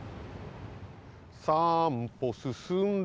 「三歩進んで」